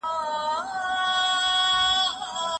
پښتو ټولنې ډېر کتابونه چاپ کړي.